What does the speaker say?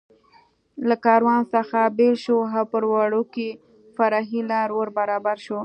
له کاروان څخه بېل شو او پر وړوکې فرعي لار ور برابر شو.